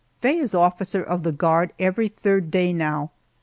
Faye is officer of the guard every third day now.